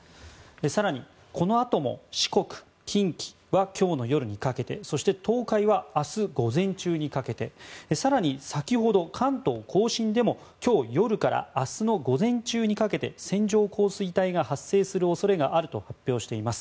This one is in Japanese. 更に、このあとも四国、近畿は今日の夜にかけてそして、東海は明日午前中にかけて更に先ほど、関東・甲信でも今日夜から明日の午前中にかけて線状降水帯が発生する恐れがあると発表しています。